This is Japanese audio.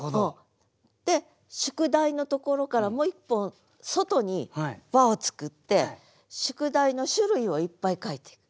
で「宿題」のところからもう一本外に輪を作って「宿題」の種類をいっぱい書いていく。